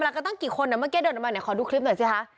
กันตั้งกี่คนเมื่อกี้เดินออกมาเนี่ยขอดูคลิปหน่อยสิคะ